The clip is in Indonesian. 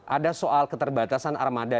ada soal keterbatasan armada